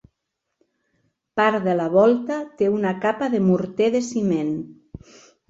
Part de la volta té una capa de morter de ciment.